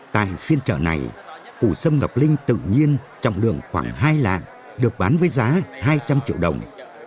tại phiên trở này củ sâm ngọc linh tự nhiên trọng lượng khoảng hai lạng được bán với giá hai trăm linh triệu đồng